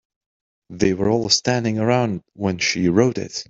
They were all standing around when she wrote it.